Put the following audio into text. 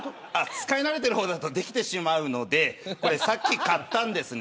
使い慣れてる方だとできてしまうのでこれ、さっき買ったんですね。